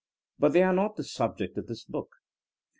But they are not the subject of this book.